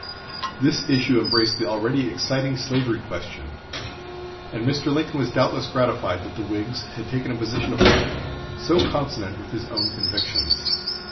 This issue embraced the already exciting slavery question, and Mr. Lincoln was doubtless gratified that the Whigs had taken a position upon it so consonant with his own convictions.